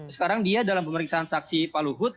sekarang dia dalam pemeriksaan saksi pak luhut